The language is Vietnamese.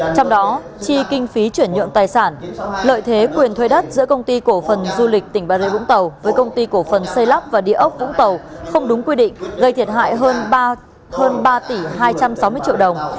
trong đó chi kinh phí chuyển nhượng tài sản lợi thế quyền thuê đất giữa công ty cổ phần du lịch tỉnh bà rê vũng tàu với công ty cổ phần xây lắp và địa ốc vũng tàu không đúng quy định gây thiệt hại hơn ba tỷ hai trăm sáu mươi triệu đồng